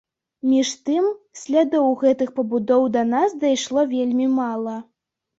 Між тым, слядоў гэтых пабудоў да нас дайшло вельмі мала.